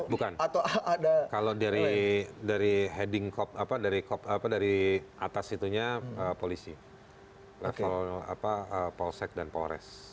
bukan kalau dari atas itunya polisi level polsek dan polres